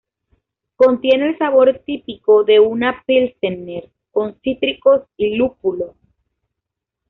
Contiene el sabor típico de una pilsener con cítricos y lúpulo.